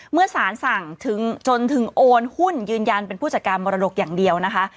เมื่อสารสั่งจนถึงโอนหุ้นยืนยันเป็นผู้จัดการมรดกอย่างเดียวนะคะ